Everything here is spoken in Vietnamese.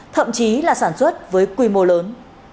thậm chí là sản xuất với quy mô lớn